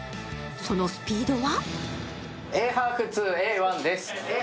そのスピードは？